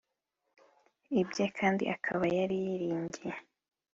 ibye kandi akaba yari yiringiye